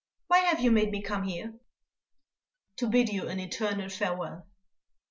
Why have you made me come here?" "To bid you an eternal farewell."